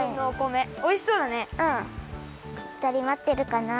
ふたりまってるかな？